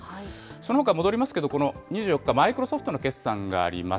そのほか戻りますけれども、この２４日、マイクロソフトの決算があります。